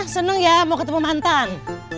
seneng ya mau ketemu mantan